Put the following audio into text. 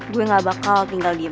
gue gak bakal tinggal dia